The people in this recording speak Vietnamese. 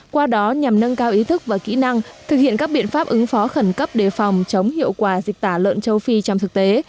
qua đó nhằm nâng cao ý thức và kỹ năng thực hiện các biện pháp ứng phó khẩn cấp để phòng chống hiệu quả dịch tả lợn châu phi trong thực tế